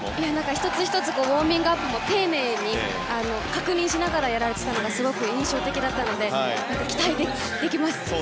１つ１つウォーミングアップも丁寧に確認しながらやられていたのがすごく印象的だったので期待できます。